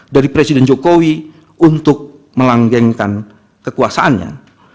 dari presiden jokowi untuk melanggengkan kekuasaannya